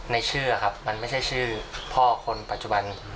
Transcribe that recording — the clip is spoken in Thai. ในชื่อครับมันไม่ใช่ชื่อพ่อคนปัจจุบัน